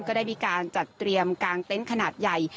ก็ได้มีการจัดเตรียมกางเต็นต์ขนาดใหญ่